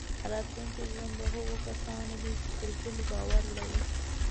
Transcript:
راتلونکی ژوند د هغو کسانو دی چې پر هیلو باور لري.